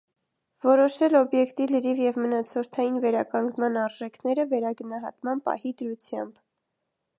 Որոշել օբյեկտի լրիվ և մնացորդային վերականգնման արժեքները վերագնահատման պահի դրությամբ։